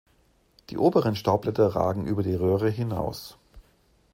Die oberen Staubblätter ragen über die Röhre hinaus.